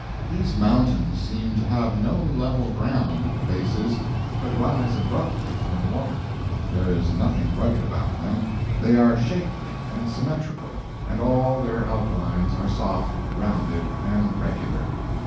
These mountains seem to have no level ground at the bases but rise abruptly from the water. There is nothing rugged about them—they are shapely and symmetrical, and all their outlines are soft, rounded and regular.